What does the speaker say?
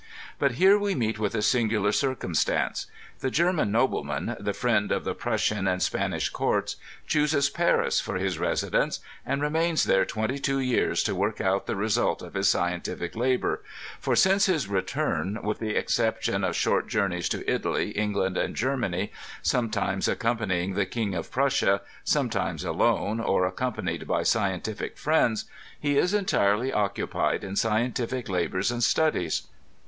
But here we meet with a singular circumstance. The German nobleman, the friend of the Prussian and Spanish Court*, chooses Paris for his residency and remains there twenty two years to work out the result of his scientific labor; for since his return, with the exception of short journeys to Italy, Eng land and Germany, sometimes accompanying tne King of Prus sia, sometimes alone, or accompanied by scientific friends, he is entirely occupied in scientific labors and studies.